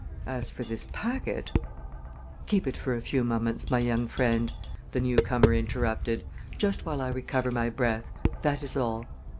As for this packet " "Keep it for a few moments, my young friend," the newcomer interrupted, "just while I recover my breath, that is all.